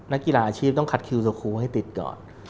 นักกีฬาอาชีพต้องคัดคิวโซคูลให้ติดก่อน